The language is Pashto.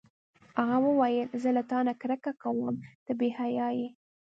هغه وویل: زه له تا نه کرکه کوم، ته بې حیا یې.